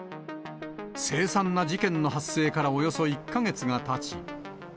凄惨な事件の発生からおよそ１か月がたち。